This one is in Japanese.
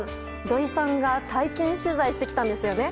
土井さんが体験取材してきたんですよね。